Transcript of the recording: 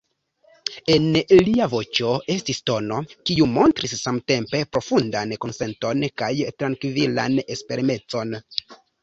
En lia voĉo estis tono, kiu montris samtempe profundan kunsenton kaj trankvilan esperemecon.